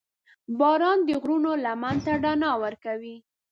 • باران د غرونو لمن ته رڼا ورکوي.